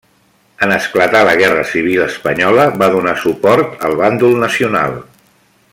En esclatar la guerra civil espanyola va donar suport al bàndol nacional.